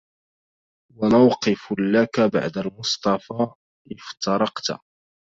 وموقف لك بعد المصطفى افترقت